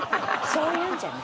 そういうんじゃない。